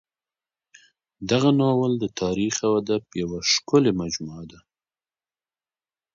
دغه ناول د تاریخ او ادب یوه ښکلې مجموعه ده.